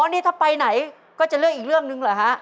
นี่ถ้าไปไหนก็จะเลือกอีกเรื่องหนึ่งเหรอฮะ